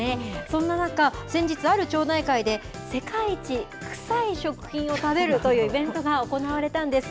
そんな中、先日ある町内会で、世界一臭い食品を食べるというイベントが行われたんです。